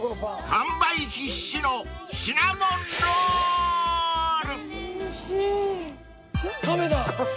［完売必至のシナモンロール！］